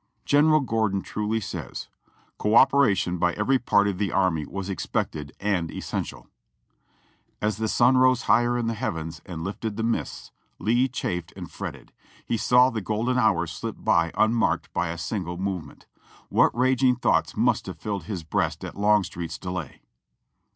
General Gordon truly says : "Co operation by every part of the army was expected and was essential." As the sun rose higher in the heavens and lifted the mists, Lee chafed and fretted ; he saw the golden hours slip by unmarked by a single movement. What raging thoughts must have filled his breast at Longstreet's delay